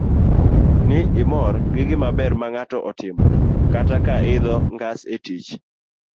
ni imor gi gimaber mang'ato otimo. kata ka idho ngas e tich,